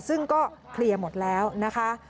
ซึ่งก็เคลียร์หมดแล้วนะคะ